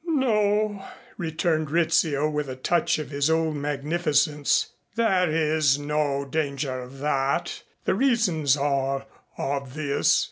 "No," returned Rizzio with a touch of his old magnificence. "There is no danger of that the reasons are obvious."